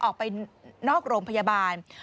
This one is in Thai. ออกไปนอกโรงพยาบาล